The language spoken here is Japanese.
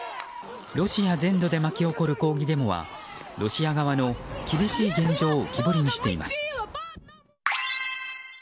ロシア全土で巻き起こる抗議デモはロシア側の厳しい現状を浮き彫りにしています。